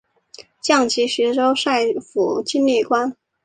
降级徐州帅府经历官。